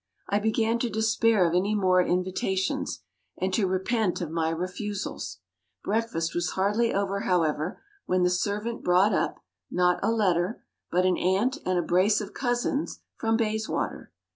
I began to despair of any more invitations, and to repent of my refusals. Breakfast was hardly over, however, when the servant brought up not a letter but an aunt and a brace of cousins from Bayswater.